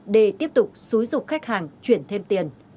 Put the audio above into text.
để tiếp tục xúi dục khách hàng chuyển thêm tiền